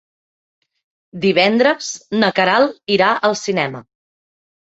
Divendres na Queralt irà al cinema.